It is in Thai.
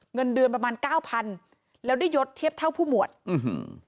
เงินเดือนประมาณเก้าพันแล้วได้ยดเทียบเท่าผู้หมวดอื้อหือ